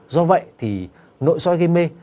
do vậy thì nội soi gây mê